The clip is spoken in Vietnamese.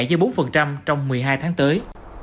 với bốn trong một mươi hai tháng tới